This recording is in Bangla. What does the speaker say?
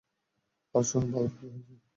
আর শুনো, বাবুর কী হয়েছে?